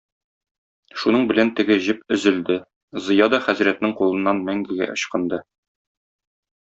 Шуның белән теге җеп өзелде, Зыя да хәзрәтнең кулыннан мәңгегә ычкынды...